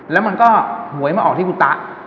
แล้วมันก็หวยมาออกที่กุตะ